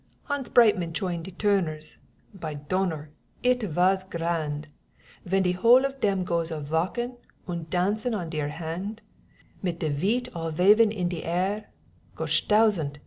Hans Breitmann choined de Toorners: By Donner! it vas grand, Vhen de whole of dem goes a valkin' Und dancin' on dere hand, Mit de veet all wavin' in de air, Gottstausend!